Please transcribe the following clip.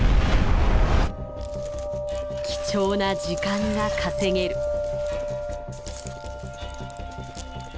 貴重な時間が稼げる。